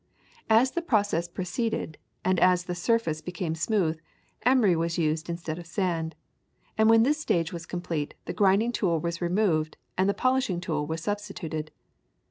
As the process proceeded and as the surface became smooth, emery was used instead of sand; and when this stage was complete, the grinding tool was removed and the polishing tool was substituted.